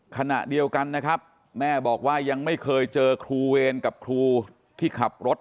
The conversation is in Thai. ขณะเดียวกันนะครับแม่บอกว่ายังไม่เคยเจอครูเวรกับครูที่ขับรถ